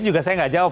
juga saya nggak jawab